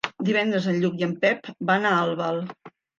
Divendres en Lluc i en Pep van a Albal.